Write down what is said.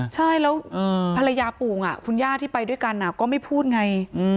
ใช่แล้วภรรยาปู่คุณย่าที่ไปด้วยกันก็ไม่พูดไง